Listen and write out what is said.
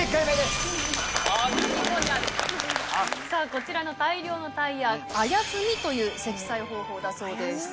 こちらの大量のタイヤ。という積載方法だそうです。